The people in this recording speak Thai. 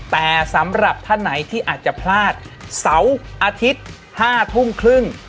แต่สำหรับท่านไหนที่อาจจะพลาดเสาร์อาทิตย์๕ทุ่มครึ่ง